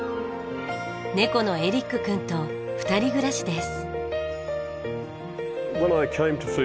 猫のエリック君と２人暮らしです。